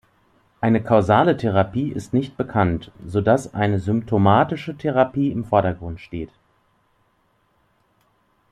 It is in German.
Eine kausale Therapie ist nicht bekannt, so dass eine symptomatische Therapie im Vordergrund steht.